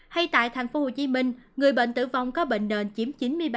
hay tại tp hcm người bệnh tử vong có bệnh nền chiếm chín mươi ba ba mươi ba